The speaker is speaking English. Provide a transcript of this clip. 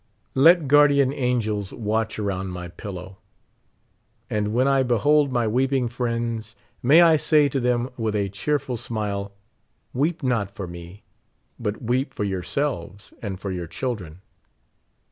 Let guardian angels watch around m} pillow ; and when I behold my weeping friends, ma}^ I say to them with a cheerful smile, weep not for me, Init weej) for yourselves and for your children.